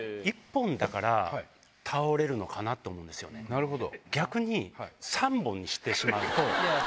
なるほど。